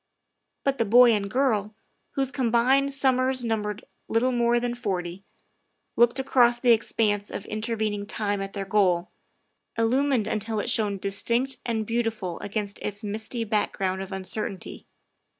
But the boy and girl, whose combined summers num bered little more than forty, looked across the expanse of intervening time at their goal, illumined until it shone distinct and beautiful against its misty back ground of uncertainty.